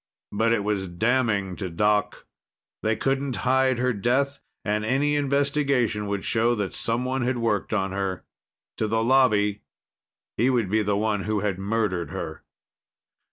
But it was damning to Doc. They couldn't hide her death, and any investigation would show that someone had worked on her. To the Lobby, he would be the one who had murdered her.